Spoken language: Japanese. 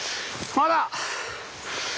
まだ！